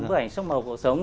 bức ảnh sắc màu cuộc sống